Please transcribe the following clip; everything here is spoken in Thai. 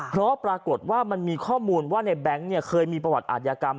เพราะปรากฏว่ามันมีข้อมูลว่าในแบงค์เคยมีประวัติอาทยากรรม